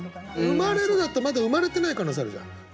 「生まれる」だとまだ生まれてない可能性あるじゃない。